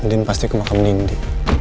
andien pasti kemakam ini ndi